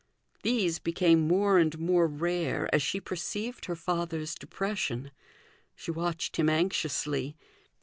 These became more and more rare as she perceived her father's depression. She watched him anxiously.